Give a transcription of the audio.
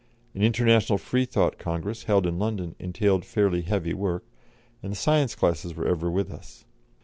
An International Freethought Congress, held in London, entailed fairly heavy work, and the science classes were ever with us.